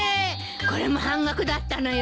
これも半額だったのよ。